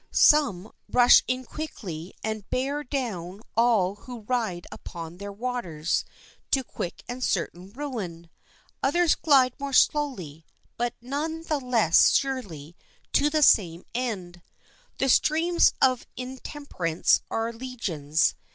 Some rush in quickly and bear down all who ride upon their waters to quick and certain ruin. Others glide more slowly, but none the less surely, to the same end. The streams of intemperance are legions.